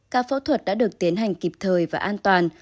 ca phẫu thuật đã được tiến hành kịp thời và an toàn